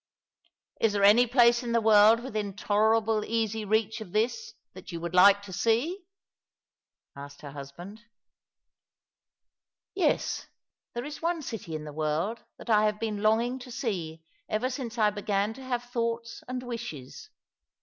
"Is there any place in the world within tolerable easy reach of this that you would like to see ?" asked her husband. " Yes, there is one city in the world that I have been long ing to see ever since I began to have thoughts and wishes."